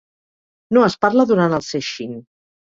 No es parla durant el sesshin.